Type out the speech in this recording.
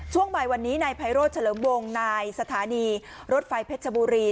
ช่วงใหม่วันนี้ในไพโรสเฉลิมวงนายสถานีรถไฟพรรชบุรี